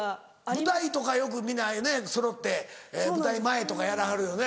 舞台とかよく皆ねそろって舞台前とかやらはるよね。